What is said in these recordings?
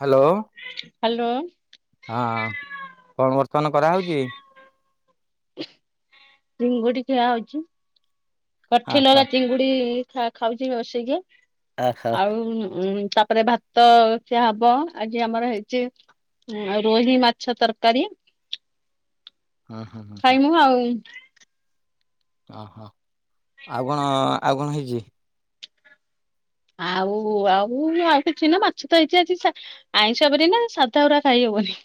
Hello. Hello. ହଁ କଣ ବର୍ତ୍ତମାନ କରାହଉଛି? ଚିଙ୍ଗୁଡି ଖିଆ ହଉଛି। ହଁ ପଠେଇଲ ବା ହଁ ଚିଙ୍ଗୁଡି ଖା ଖାଉଛି ବସିକି। ଓହୋ ଆଉ ଉଁ ତାପରେ ଭାତ ତ ଖିଆ ହବ ଆଜି ଆମର ହେଇଛି ରୋହି ମାଛ ତରକାରୀ ହଁ ହଁ ହଁ ହଁ ହଉ ଓହୋ ଆଉ କଣ ଆଉ କଣ ହେଇଛି? ଆଉ ଆଉ ଆଉ କିଛି ନୁହଁ ମାଛ ତ ହେଇଛି ଆଜି ଆଇଁଷ ବାରି ନା ସାଧା ଗୁରା ଖାଇ ହବନି।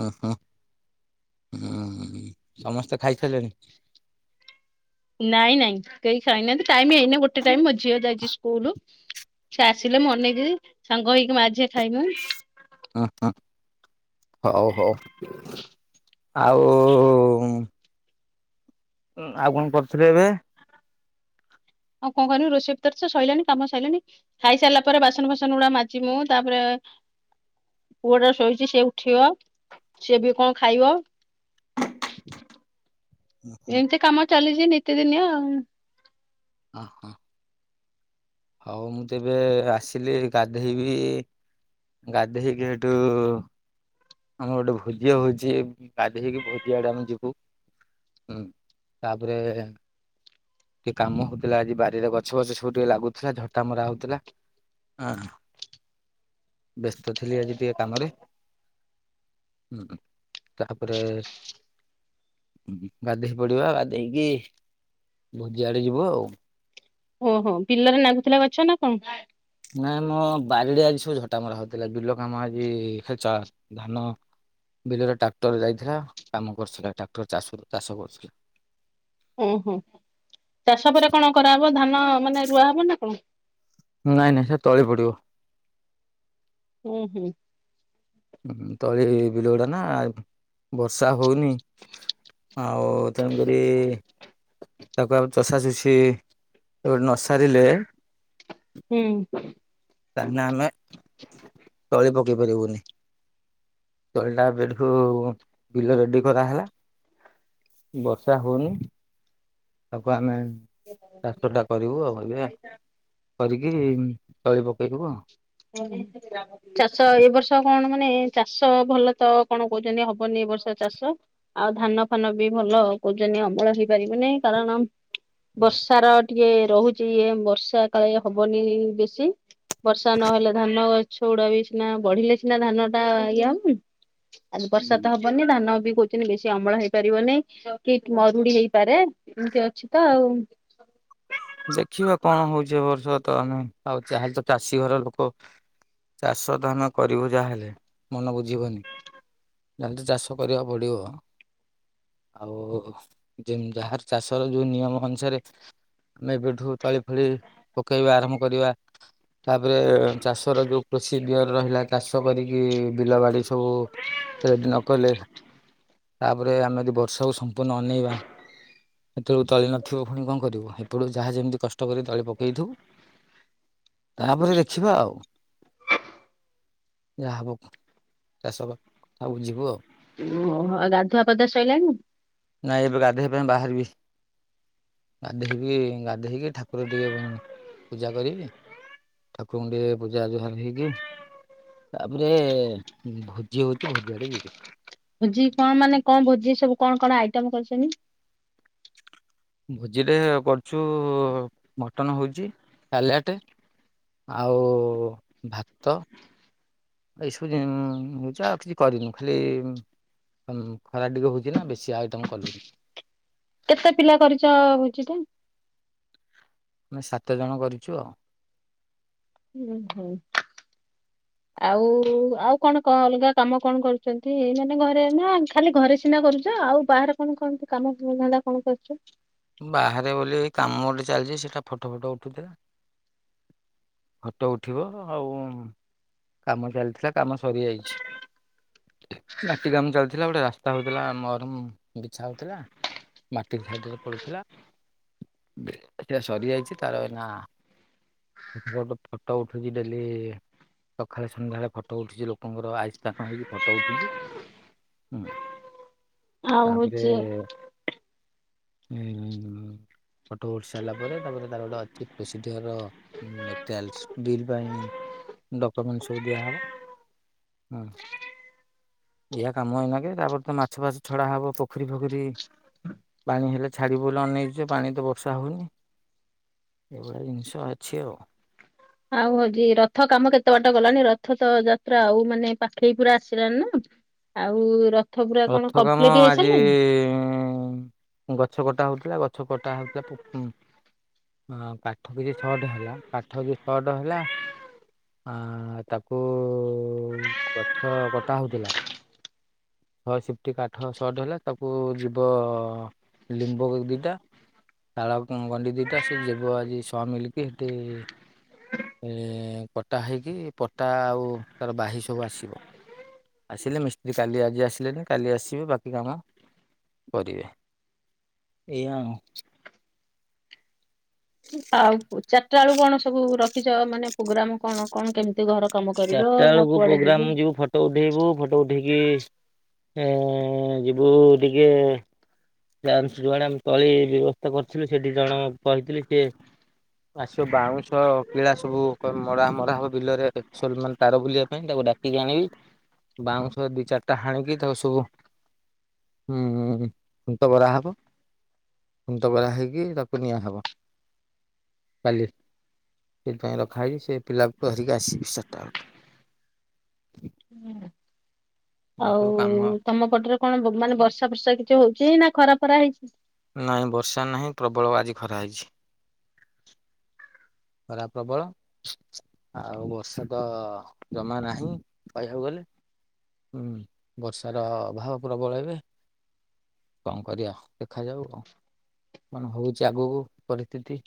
ହଁ ହଁ ହଁ। ସମସ୍ତେ ଖାଇସାରିଲେଣି? ନାଇଁ ନାଇଁ କେହି ଖାଇନାହାନ୍ତି ଟାଇମ ହେଇନି ଗୋଟେ ଟାଇମ ମୋ ଝିଅ ଯାଇଛି ସ୍କୁଲୁ। ସେ ଆସିଲେ ମୁ ଅନେଇଥିବି ସାଙ୍ଗ ହେଇକି ମା ଝିଅ ଖାଇମୁ। ହଁ ହଁ। ହଉ ହଉ। ଆଉ ଆଉ କଣ କରୁଥିଲେ ଏବେ? ଆଉ କଣ କରିମି ରଷେଇ କରିଚି ସରିଲାଣି କାମ ସରିଲାଣି। ଖାଇ ସାରିଲା ପରେ ବାସନ ଫାସନ ଗୁଡା ମଜିବି ମୁ। ତାପରେ ପୁଅଟା ଶୋଇଛି ସେ ଉଠିବ। ସିଏ ବି କଣ ଖାଇବ? [unintelligible] ଏମିତି କାମ ଚାଲିଛି ନିତିଦିନିଆ ଆଉ। ଓହୋ। ହଉ ମୁଁତ ଏବେ ଆସିଲି ଗାଧେଇବି। ଗାଧେଇକି ଏଠୁ ଆମର ଗୋଟେ ଭୋଜି ହଉଛି। ଗାଧେଇକି ଭୋଜି ଆଡେ ଆମେ ଯିବୁ। ହୁଁ ତାପରେ ଟିକେ କାମ ହଉଥିଲା ଆଜି ବାରିରେ ଗଛ ବଛ ସବୁ ଟିକେ ଲାଗୁଥିଲା ଝଟା ମରା ହଉଥିଲା। ଅହ ବ୍ୟସ୍ତ ଥିଲି ଆଜି ଟିକେ କାମରେ। ହୁଁ ତାପରେ ଗାଧେଇ ପଡିବା। ଗାଧେଇକି ଭୋଜିଆଡେ ଯିବୁ ଆଉ। ଓହୋ ବିଲରେ ନାଗୁଥିଲା ଗଛ ନା କଣ? ନାଇଁ ମୋ ବାରିରେ ଆଜି ସବୁ ଝଟାମରା ହଉଥିଲା। ବିଲ କାମ ଆଜି [unintelligible] ଧାନ। ବିଲରେ ଟ୍ରାକ୍ଟର ଯାଇଥିଲା କାମ କରୁଥିଲା ଟ୍ରାକ୍ଟର ଚାଷ ଚାଷ କରୁଥିଲା। ହୁଁ ହୁଁ ଚାଷ ପରେ କଣ କରାହବ? ଧାନ ମାନେ ରୁଆ ହବ ନା କଣ? ନାଇଁ ନାଇଁ ସେ ତଳି ପଡିବ। ହୁଁ ହୁଁ। ହଁ ତଳି ବିଲ ଗୁଡା ନା। ବର୍ଷା ହଉନି। ଆଉ ତେଣୁକରି। [inaudible] ତାକୁ ଆଉ ଚଷା ଚୁଷି ଗୋଟେ ନସାରିଲେ। ହୁଁ। ତାହିନା ଆମେ ତଳି ପକେଇ ପାରିବୁନି। ତଳଟା ଏବେଠୁ ବିଲ ରେଡି କରାହେଲା। ବର୍ଷା ହଉନି ତାକୁ ଆମେ। ଚାଷଟା କରିବୁ ଆଉ ଏବେ କରିକି ତଳି ପକେଇବୁ ଆଉ। ଚାଷ ଏ ବର୍ଷ ବଷ କଣ ମାନେ ଚାଷ ଭଲ ତ କଣ କହୁଛନ୍ତି ହବନି ଏ ବର୍ଷ ଚାଷ? ଆଉ ଧାନ ଫାନ ବି ଭଲ କହୁଛନ୍ତି ଅମଳ ହେଇପାରିବନି କାରଣ। ବର୍ଷାର ଟିକେ ରହୁଛି ଇଏ ବର୍ଷା କାଳେ ହବନି ବେଶୀ। ବର୍ଷା ନହେଲେ ଧାନଗ ସଉଡ ବି ସିନା ବଢିଲେ ସିନା ଧାନ ଟା ଇା ହବନ ଆ ବର୍ଷା ତ ହବ। ହବନି ଧାନ ବି କହୁଛନ୍ତି ବେଶୀ ଅମଳ ହେଇପାରିବନି। କି ମରୁଡି ହେଇପାରେ। ଏମତି ଅଛି ତ ଆଉ। ଦେଖିବା କଣ ହଉଛି ଏ ବର୍ଷ ତ ଆଉ ଯାହାହେଲେ ତ ଚାଷୀ ଘର ଲୋକ। ଚାଷ ଧାନ କରିବୁ ଯାହାହେଲେ ମନ ବୁଝିବନି। ଯାହାହେଲେ ତ ଚାଷ କରିବାକୁ ପଡିବ। ଆଉ ଯାହାର ଚାଷ ର ଯୋଉ ନିୟମ ଅନୁସାରେ ଆମେବେଠୁ ତଳି ଫଳି ପକେଇବା ଆରମ୍ଭ କରିବା। ତାପରେ ଚାଷର ଯୋଉ ପ୍ରସିଡିଓର ରହିଲା ଚାଷ କରିକି ବିଲ ବାଡ଼ି ସବୁ ରେଡି ନକଲେ ତାପରେ ଆମେ ଯଦି ବର୍ଷାକୁ ସମ୍ପୂର୍ଣ୍ଣ ଅନେଇବା ସେତେବେଳ ତଳି ନଥିବ ପୁଣି କଣ କରିବ? ଏତୋଳୁ ଯାହା ଯେମିତି କଷ୍ଟ କରି ତଳି ପକେଇଦେଇଥିବୁ ତାପରେ ଦେଖିବା ଆଉ। ଯାହା ହେବ ଚାଷବା ସବୁ ଯିବୁ ଆଉ। ଓହୋ ଉ ଗାଧୁଆପଧୁଆ ଶଇଲାଣି? ନାଇଁ ଏବେ ଗାଧୋଇବା ପାଇଁ ବାହାରିବି ଗାଧୋଇବି। ତୁ ଏ ଗାଧେଇକି ଠାକୁର ଟିକେ ପୂଜା କରିବି। ଠାକୁରୁଙ୍କୁ ଟିକେ ପୂଜାଜୁହାର ହେଇକି ତାପରେ ଭୋଜି ହଉଚି ଭୋଜି ଆଡେ ଯିବି। ଭୋଜି କଣ ମାନେ କଣ ଭୋଜି ସବୁ କଣ କଣ ଆଇଟମ କରିଚନ୍ତି? ଭୋଜିରେ କରୁଚୁ ମଟନ ହଉଚି ସାଲାଡ ଆଉ ଭାତ। ଏଇସବୁିନ ହେଉଛ ଆଉ କିଛି କରିନୁ ଖାଲି ଖରା ଟିକେ ହଉଚି ନା ବେଶୀ ଆଉ ଏଇଟମ କଲୁନି। କେତେ ପିଲା କରିଚ ଭୋଜି ଟା। ଆମେ ସାତ ଜଣ କରିଚୁ ଆଉ। ହୁଁ ହୁଁ। ଆଉ ଆଉ କଣ ଅଲଗା କାମ କଣ କରୁଚନ୍ତି ମାନେ ଘରେ ନା ଖାଲି ଘରେ ସିନା କରୁଚ ଆଉ ବାହାରେ କଣ [unintelligible] କାମ ଧନ୍ଦା କଣ କରୁଚୁ? ବାହାରେ ବୋଲି କାମ ଗୋଟେ ଚାଲିଚି ସେଟା ଫଟୋ ଫଟ ଉଠୁଥିଲା। ଫଟୋ ଉଠିବ ଆଉ କାମ ଚାଲିଥିଲା କାମ ସରିଯାଇଚି। ମାଟି କାମ ଚାଲିଥିଲା ଗୋଟେ ରାସ୍ତା ହଉଥିଲା ମରମ ବିଛା ହଉଥିଲା। ମାଟି [unintelligible] ହେଲା ସେ ସରିଯାଇଚି ତାର ଏନା ଗୋଟେ ଫଟୋ ଉଠୁଚି ଡେଲି ସକାଳେ ସନ୍ଧ୍ୟା ବେଳେ ଫଟୋ ଉଠୁଚି ଲୋକଙ୍କର ଆଇ ଷ୍କାନ ହେଇକି ଫଟୋ ଉଠୂଚି ହୁଁ। ଆଉ ତାପରେ ହଉଛି ଉଁ ମ୍ ଫଟୋ ଉଠି ସାରିଲା ପରେ ତାପରେ ତାର ଗୋଟେ ଅଛି ପେଶିଧର ମ୍ୟାଟେରିଆଲସ୍ ବିଲ୍ ପାଇଁ ଡକୁମେଣ୍ଟ ସବୁ ଦିଆହେବ। ହୁଁ। ଏଇଆ କାମ ଏଇନାକେ। ତାପରେ ତ ମାଛ ଫାଛ ଛଡା ହବ ପୋଖରୀ ଫୋଖରୀ ପାଣି ହେଲେ ଛାଡିବୁ ବୋଲି ଅନେଇଚୁ ଜେ ପାଣି ତ ବର୍ଷା ହଉନି। ଏଇଭଳିଆ ଜିନିଷ ଅଛି ଆଉ। ଆଉ ହଉଚି ରଥ କାମ କେତେ ବାଟ ଗଲାଣି ରଥ ତ ଯାତ୍ରା ଆଉ ମାନେ ପାଖେଇ ପୁରା ଆସିଲାନି ନା। ଆଉ ର ରଥ କାମ ଆଜି ଗଛ କଟା ହଉଥିଲା ଗଛ କଟା ହଉଥିଲା ପୁ ହଁ କାଠ କିଛି ସର୍ଟ ହେଲା କାଠ ଯେ ସର୍ଟ ହେଲା ଆଁ ଆଁ ତାକୁ ଉ ଉ ଉ ଗଛ କଟା ହଉଥୁଲା ଛଅ ସିଫଟି କାଠ ସଟ ହେଲା ତାକୁ ଉ ଉ ଯିବ ଅ ଅ ଅ ଲିମ୍ବ ଗଛ ଦିଟା ତାଳ ଗୁଁ ଗଣ୍ଡି ଦିଟା ସେ ଯିବ ଆଜି ସ ମିଲକି ହେଠି ଏ ଏ ଏଁ ଏଁ କଟା ହେଇକି ପଟା ଆଉ ତାର ବାହି ସବୁ ଆସିବ। ଆସିଲେ ମିସ୍ତ୍ରୀ କାଲି ଆଜି ଆସିଲେନି କାଲି ଆସିବେ ବାକି କାମ କରିବେ। ଏଇଆ ଆଉଁ। ଆଉ ଚାରଟା ବେଳକୁ କଣ ସବୁ ରଖିଚ ମାନେ ପୋଗ୍ରାମ କଣ କଣ କେମତି ଘର କାମ ଚାରଟା କରିବ ନା ବେଳକୁ କୁଆଡେ ଯିବ ପୋଗ୍ରାମ ଯିବୁ ଫଟ ଟୋ ଉଠେଇବୁ ଫଟୋ ଉଠେଇକି ଏଁ ଏଁ ଏଁ ଯିବୁ ଟିକିଏ ତାର ସେ ଯୁଆଡ଼େ ଆମେ ତଳି ବ୍ୟବସ୍ଥା କରଥିଲୁ ସେ ଦି ଜଣ କହିଥିଲି ସିଏ ଆସିବ ବାଉଁଶ କିଳା ସବୁ କ ମରା ମରା ହବ ବିଲରେ ସୋଲ ମାନ ତାର ବୁଲିବା ପାଇଁ ତାକୁ ଡ଼ାକିକି ଆଣିବି ବାଉଁଶ ଦି ଚାରଟା ହାଣିକି ତାକୁ ସବୁ ହୁଁ ଖୁଣ୍ଟ ବରା ହବ ଖୁଣ୍ଟ ବରା ହେଇକି ତାକୁ ନିଆହବ। କାଲି ସେଇଥିପାଇଁ ରଖାହେଇଚି ସେ ପିଲାକୁ ଧରିକି ଆସିବି ଚାରଟା ବେଳକୁ। ହୁଁ ଏଇ ଆଉ ସବୁ କାମ ତମ ପଟରେ କଣ ବ ମାନେ ବର୍ଷା ଫର୍ଷା କିଛି ହଉଚି ନା ଖରା ଫରା ହେଇଛି? ନାଇଁ ବର୍ଷା ନାହିଁ ପ୍ରବଳ ଆଜି ଖରା ହେଇଛି। ଖରା ପ୍ରବଳ ଆଉ ବର୍ଷା ତ ଜମା ନାହିଁ କହିବାକୁ ଗଲେ। ହୁଁ ବର୍ଷାର ଅଭାବ ପ୍ରବଳ ଏବେ। କଣ କରିବା ଦେଖାଯାଉ ଆଉ। କଣ ହଉଚି ଆଗକୁ ପରିସ୍ଥିତି।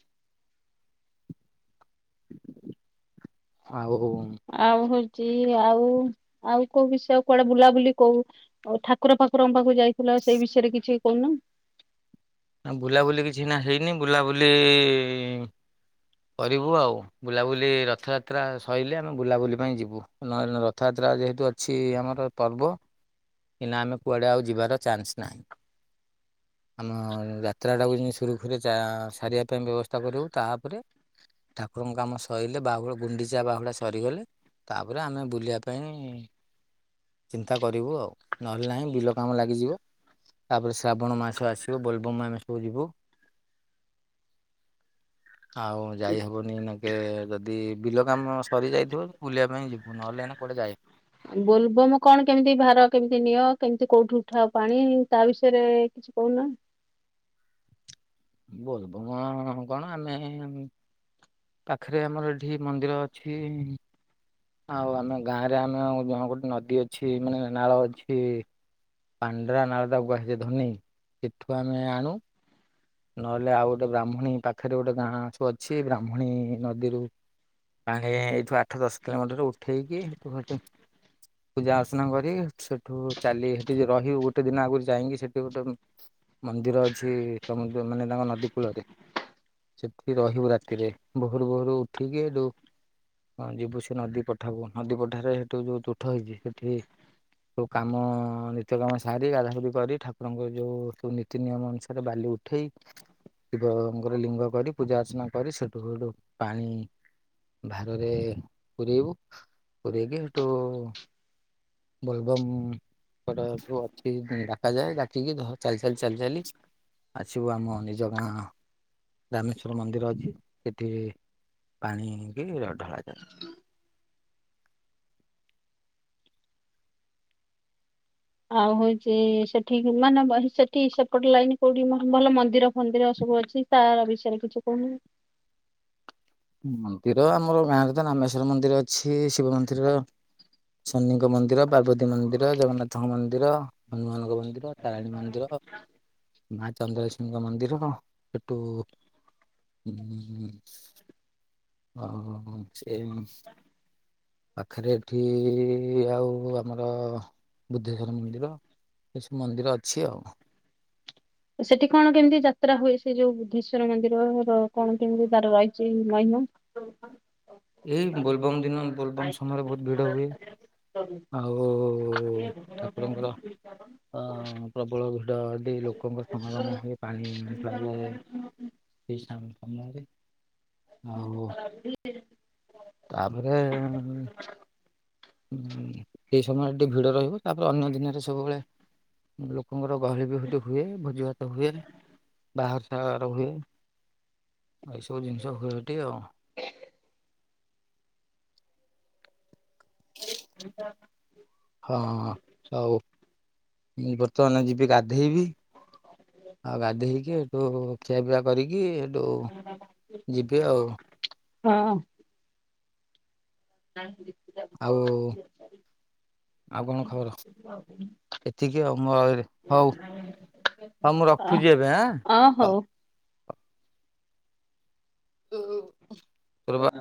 ଆଉ ଉ ଉଁ ଆଉ ହଉଚି ଆଉ ଆଉ କୋଉ ବିଷୟ କୁଆଡ଼େ ବୁଲାବୁଲି କହୁ ଓ ଠାକୁର ଫାକୁରଙ୍କ ପାଖକୁ ଯାଇଥିଲ ସେଇ ବିଷୟରେ କିଛି କହୁନ? ନା ବୁଲାବୁଲି କିଛି ଏଇନା ହେଇନି ବୁଲାବୁଲି ଇ ଇ ଇ ଇଁ କରିବୁ ଆଉ। ବୁଲାବୁଲି ରଥଯାତ୍ରା ସଇଲେ ଆମେ ବୁଲାବୁଲି ପାଇଁ ଯିବୁ ନହେଲେ ରଥଯାତ୍ରା ଯେହେତୁ ଅଛି ଆମର ପର୍ବ ଏଇନା ଆମେ କୁଆଡ଼େ ଆଉ ଯିବାର ଚାନ୍ସ ନାହିଁ। ଆମ ଯାତ୍ରାଟାକୁ ଯିନ୍ତି ସୁରୁଖୁରୁରେ ଚା ଆଁ ସାରିବା ପାଇଁ ବ୍ୟବସ୍ଥା କରିବୁ ତାପରେ ଠାକୁରଙ୍କ କାମ ସଇଲେ ବାହୁଳୁ ଗୁଣ୍ଡିଚା ବାହୁଡ଼ା ସରିଗଲେ ତାପରେ ଆମେ ବୁଲିବା ପାଇଁ ଚିନ୍ତା କରିବୁ ଆଉ। ନହେଲେ ନାଇଁ ବିଲ କାମ ଲାଗିଯିବ ତାପରେ ଶ୍ରାବଣ ମାସ ଆସିବ ବୋଲବମ୍ ଆମେ ସବୁ ଯିବୁ। ଆଉ ଯାଇହବନି ଏଇନାକେ ଯଦି ବିଲ କାମ ସରିଯାଇଥିବ ବୁଲିବା ପାଇଁ ଯିବୁ ନହେଲେ ଏଇନା କୁଆଡ଼େ ଯାଏ। ବୋଲବମ୍ କଣ କେମିତି ଭାର କେମିତି ନିଅ କେମିତି କୋଉଠୁ ଉଠାଅ ପାଣି ତା ବିଷୟରେ କିଛି କହୁନ? ବୋଲବମ ଅ ଅ କଣ ଆମେ ଏ ଏ ଆମ୍ ପାଖେରେ ଆମର ଏଠି ମନ୍ଦିର ଅଛି ଇଁ ଇଁ। ଆଉ ଆମ ଗାଁ ରେ ଆମ ଜଣ ଗୋଟ ନଦୀ ଅଛି ମାନେ ନାଳ ଅଛି। ପାଣ୍ଡ୍ରା ନାଳ ତାକୁ କୁୁହାଯାଏ ଧନେଇ ସେଠୁ ଆମେ ଆଣୁ। ନହେଲେ ଆଉ ଗୋଟେ ବ୍ରାହ୍ମଣୀ ପାଖେରେ ଗୋଟେ ଗାଁ ସବୁ ଅଛି ବ୍ରାହ୍ମଣୀ ନଦୀରୁ ପାଣି ଏଇଠୁ ଆଠ ଦଶ କିଲୋମିଟର୍ ଉଠେଇକି ହେଟୁ ହେଟି ପୂଜା ଅର୍ଚ୍ଚନା କରି ସେଠୁ ଚାଲି ସେଠି ରହିବୁ ଗୋଟେ ଦିନ ଆଗରୁ ଯାଇକି ସେଠି ଗୋଟେ ମନ୍ଦିର ଅଛି ସମୁଦ୍ର ମାନେ ତାଙ୍କ ନଦୀ କୂଳରେ ସେଠି ରହିବୁ ରାତିରେ ଭୋହରୁ ଭୋହରୁ ଉଠିକି ଏଠୁ ହଁ ଯିବୁ ସେନଦୀ ପଠାବୁ ନଦୀ ପଠାରେ ସେଠୁ ଯୋଉ ତୁଠ ହେଇଚି ସେଠି ସବୁ କାମ ନିତ୍ୟ କାମ ସାରି ଗାଧା ଗୁଧି କରି ଠାକୁରଙ୍କ ଯୋଉ ସବୁ ନୀତି ନିୟମ ଅନୁସାରେ ବାଲି ଉ ଉଠେଇ ଶିବଙ୍କର ଲିଙ୍ଗ କରି ପୂଜା ଅର୍ଚ୍ଚନା କରି ସେଠୁ ସେଠୁ ପାଣି ଭାରରେ ପୂରେଇବୁ ପୂରେଇକି ସେଠୁ ବୋଲବମ୍ ଅଛି ଡାକା ଯାଏ ଡାକିକି ଚାଲି ଚାଲି ଚାଲି ଚାଲି ଆସିବୁ ଆମ ନିଜ ଗାଁ ରାମେଶ୍ୱର ମନ୍ଦିର ଅଛି ସେଠି ପାଣିିକି ଢଳାଯାଏ। ଆଉ ହଉଚି ସେଠି ମାନେ ସେଠି ସେପଟ ଲାଇନ୍ କୋଉଠି ଭଲ ମନ୍ଦିର ମନ୍ଦିର ସବୁ ଅଛି ତାର ବିଷୟରେ କିଛି କହୁନ? ମନ୍ଦିର ଆମର ଗାଁରେତ ରାମେଶ୍ଵର ମନ୍ଦିର ଅଛି ଶିବ ମନ୍ଦିର ଶନିଙ୍କ ମନ୍ଦି ମନ୍ଦିର ପାର୍ବତୀ ମନ୍ଦିର ଜଗନ୍ନାଥଙ୍କ ମନ୍ଦିର ହନୁମାନଙ୍କ ମନ୍ଦିର ତାରିଣୀ ମନ୍ଦିର। ମା ଚନ୍ଦ୍ରଲକ୍ଷ୍ମୀଙ୍କ ମନ୍ଦିର ସେଠୁ ଉ [unintelligible] ପାଖରେ ଏଠି ଆଉ ଆମର ବୁଦ୍ଧେଶ୍ଵର ମନ୍ଦିର। ଏସବୁ ମନ୍ଦିର ଅଛି ଆଉ। ସେଠି କଣ କେମିତି ଯାତ୍ରା ହୁଏ ସେଇ ଯୋଉ ବୁଦ୍ଧେଶ୍ଵର ମନ୍ଦିରର କଣ କେମିତି ତାର ରହିଚି ମହିମା? ଏଇ ବୋଲବମ୍ ଦିନ ବୋଲବମ୍ ସମୟରେ ବହୁତ୍ ଭିଡ଼ ହୁଏ। ଆଉ ଠାକୁରଙ୍କର ଅ ପ୍ରବଳ ଭିଡ଼ି ହେଟି ଲୋକଙ୍କ ସମାଗମ ହୁଏ ପାଣି ଡ଼ଳାଯାଏ [unintelligible] ଆଉ [unintelligible] ତାପରେ ହୁଁ ସେଇ ସମୟରେ ଟିକେ ଭିଡ଼ ରହିବ ତାପରେ ଅନ୍ୟ ଦିନରେ ସବୁବେଳେ ଲୋକଙ୍କର ଗହଳିବି ସେଠି ହୁଏ ଭୋଜି ଭାତ ହୁଏ। ବାହାଘର ସାହାଘର ହୁଏ ଏଇସବୁ ଜିନିଷ ହୁଏ ହେଟି ଆଉ। [inaudible] ହଁ ଆଉ ମୁଁ ବର୍ତ୍ତମାନେ ଯିବି ଗାଧେଇବି ଆଉ ଗାଧେଇକି ଏଠୁ ଖିଆପିଆ କରିକି ଏଠୁ ଯିବି ଆଉ। ହଁ। [unintelligible] ଆଉ ଆଉ କଣ ଖବର? ଏତିକି ଆଉ ମୁ ହଉ ହଉ ମୁଁ ରଖୁଚି ଏବେ ଆଁ। ଅଁ ହଉ। ତୋରବା